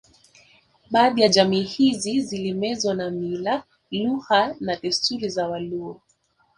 Baadhi ya jamii hizi zilimezwa na mila lugha na desturi za Waluo